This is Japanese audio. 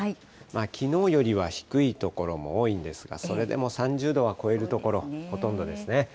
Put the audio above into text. きのうよりは低い所も多いんですが、それでも３０度は超える所、ほとんどですね。